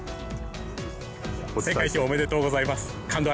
世界一おめでとうございます。